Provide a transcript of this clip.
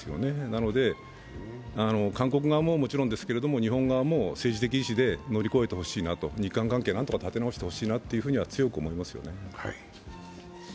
なので、韓国側ももちろんですけれども、日本側も政治的意思で乗り越えてほしいなと、日韓関係、何とか立て直してほしいなと強く思いますよね。